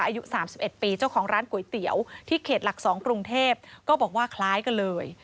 อายุ๓๑ปีเจ้าของร้านก๋วยเตี๋ยวที่เขตหลัก๒กรุงเทพก็บอกว่าคล้ายกันเลย